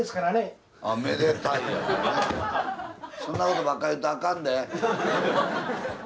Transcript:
そんなことばっかり言うたらあかんで。